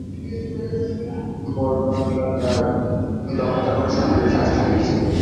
বোরবনরা তার দক্ষতার উপর সবচেয়ে বেশি আস্থা রেখেছিল।